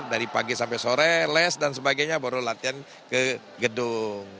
dari pagi sampai sore les dan sebagainya baru latihan ke gedung